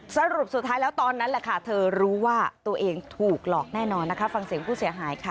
สรุปสุดท้ายแล้วตอนนั้นแหละค่ะเธอรู้ว่าตัวเองถูกหลอกแน่นอนนะคะฟังเสียงผู้เสียหายค่ะ